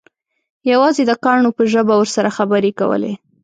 یوازې د کاڼو په ژبه ورسره خبرې کولې.